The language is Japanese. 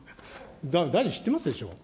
大臣知ってますでしょう。